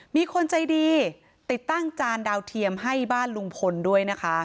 มีคนใจดีติดตั้งจานดาวเทียมให้บ้านลุงพลด้วยนะคะ